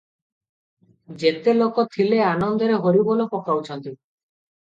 ଯେତେ ଲୋକ ଥିଲେ, ଆନନ୍ଦରେ ହରିବୋଲ ପକାଉଛନ୍ତି ।